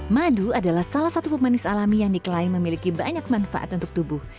madu adalah salah satu pemanis alami yang diklaim memiliki banyak manfaat untuk tubuh